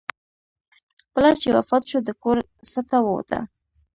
پلار چې وفات شو، د کور سټه ووته.